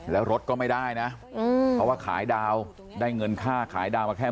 แล้วรถก็ไม่ได้นะเพราะว่าขายดาวได้เงินค่าขายดาวมาแค่